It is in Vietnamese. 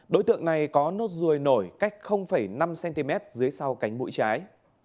đối tượng này có nốt ruồi nổi cách năm cm dưới sau cánh mũi trái